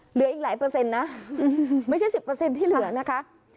เหลืออีกหลายเปอร์เซ็นต์นะไม่ใช่๑๐ที่เหลือนะคะ